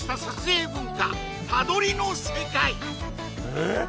えっ